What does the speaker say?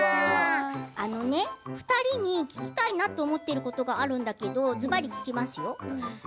あのね、２人に聞きたいなと思っていることがあるんだけどずばり聞きますよ。